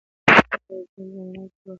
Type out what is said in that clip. ایا زموږ لپاره د ناستې وخت تېر شوی دی؟